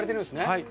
はい。